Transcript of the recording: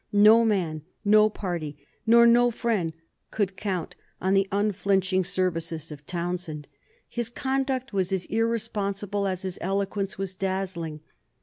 No man, no party, nor no friend could count on the unflinching services of Townshend. His conduct was as irresponsible as his eloquence was dazzling.